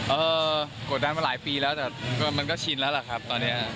เออกดดันมาหลายปีแล้วแต่มันก็ชินแล้วล่ะครับตอนนี้